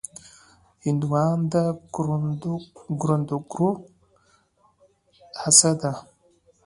هندوانه د کروندګرو هڅه ده.